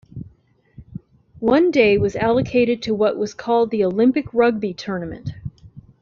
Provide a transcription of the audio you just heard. One day was allocated to what was called the Olympic rugby tournament.